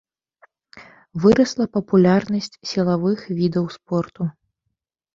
Вырасла папулярнасць сілавых відаў спорту.